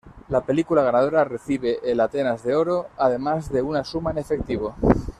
La película ganadora recibe el Atenas de Oro además de una suma en efectivo.